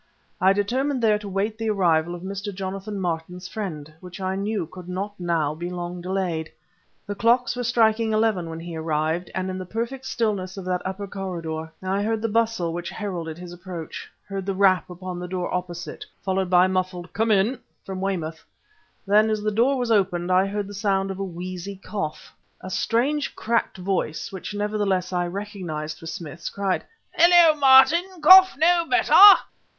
I determined there to await the arrival of Mr. Jonathan Martin's friend, which I knew could not now be long delayed. The clocks were striking eleven when he arrived, and in the perfect stillness of that upper corridor. I heard the bustle which heralded his approach, heard the rap upon the door opposite, followed by a muffled "Come in" from Weymouth. Then, as the door was opened, I heard the sound of a wheezy cough. A strange cracked voice (which, nevertheless, I recognized for Smith's) cried, "Hullo, Martin! cough no better?"